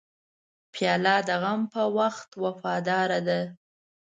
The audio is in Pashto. پیاله د غم په وخت وفاداره ده.